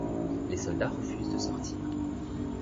Les soldats refusent de sortir.